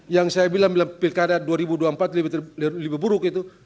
yang saya bilang bilang pilkada dua ribu dua puluh empat lebih buruk itu